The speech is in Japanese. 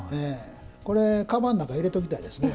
これ、かばんの中に入れときたいですね。